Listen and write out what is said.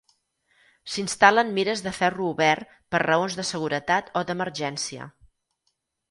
S'instal·len mires de ferro obert per raons de seguretat o d'emergència.